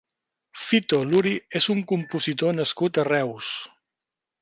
Fito Luri és un compositor nascut a Reus.